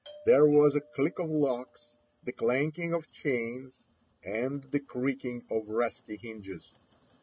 There was a click of locks, the clanking of chains, and the creaking of rusty hinges.